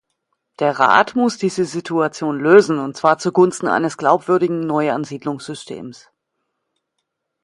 Der Rat muss diese Situation lösen, und zwar zugunsten eines glaubwürdigen Neuansiedlungssystems.